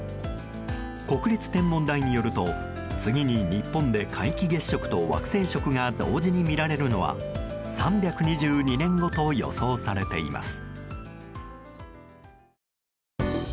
国立天文台によると次に日本で皆既月食と惑星食が同時に見られるのは３２２年後と予想されています。